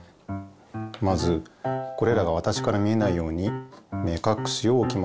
まずこれらがわたしから見えないように目かくしをおきます。